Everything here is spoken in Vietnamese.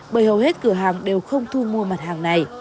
bởi hầu hết cửa hàng đều không thu mua mặt hàng này